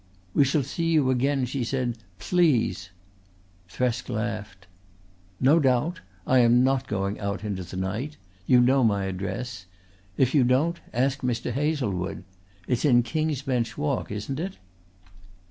"We shall see you again," she said. "Please!" Thresk laughed. "No doubt. I am not going out into the night. You know my address. If you don't ask Mr. Hazlewood. It's in King's Bench Walk, isn't it?"